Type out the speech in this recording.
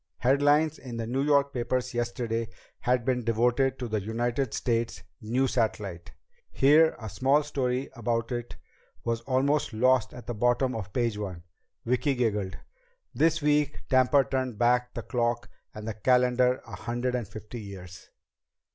Headlines in the New York papers yesterday had been devoted to the United States new satellite. Here a small story about it was almost lost at the bottom of page one. Vicki giggled. This week Tampa turned back the clock and the calendar a hundred and fifty years!